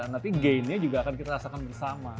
nanti gainnya juga akan kita rasakan bersama